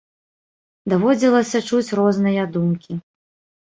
Даводзілася чуць розныя думкі.